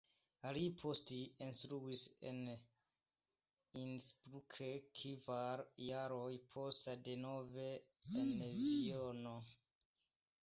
Li poste instruis en Innsbruck, kvar jarojn poste denove en Vieno.